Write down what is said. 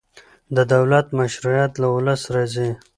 د دولت مشروعیت له ولس راځي